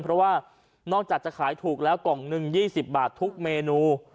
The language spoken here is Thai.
เพราะว่านอกจากจะขายถูกแล้วกล่องหนึ่ง๒๐บาททุกเมนู